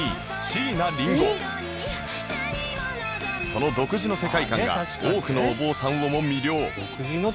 その独自の世界観が多くのお坊さんをも魅了